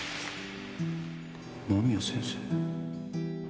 「間宮先生へ」